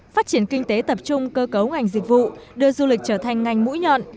phát triển kinh tế tập trung cơ cấu ngành dịch vụ đưa du lịch trở thành ngành mũi nhọn